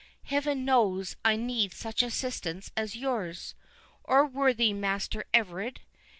Heaven knows, I need such assistance as yours.—Oh, worthy Master Everard!